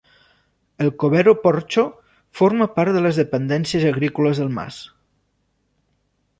El cobert o porxo forma part de les dependències agrícoles del mas.